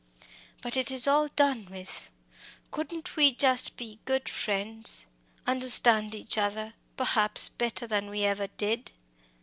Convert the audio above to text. But it is all done with couldn't we just be good friends understand each other, perhaps, better than we ever did?"